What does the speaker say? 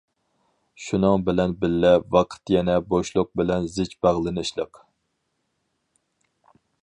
شۇنىڭ بىلەن بىللە، ۋاقىت يەنە بوشلۇق بىلەن زىچ باغلىنىشلىق.